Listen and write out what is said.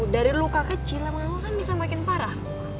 dari luka kecil emang lo kan bisa makin parah